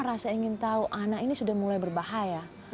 rasa ingin tahu anak ini sudah mulai berbahaya